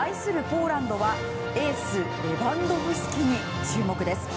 ポーランドはエース、レバンドフスキに注目。